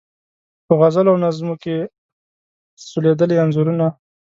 په غزلو او نظمو کې سولیدلي انځورونه